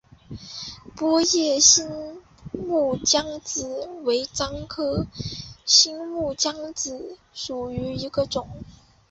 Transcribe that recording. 波叶新木姜子为樟科新木姜子属下的一个种。